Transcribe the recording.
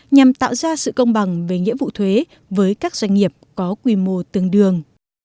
nhằm tạo ra sự công bằng về nghĩa vụ thuế với các doanh nghiệp có quy mô tương đương